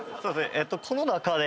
この中で。